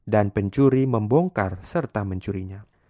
dan pencuri membongkar serta mencurinya